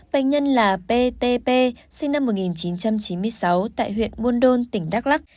bệnh nhân là p t p sinh năm một nghìn chín trăm chín mươi sáu tại huyện buôn đôn tỉnh đắk lắc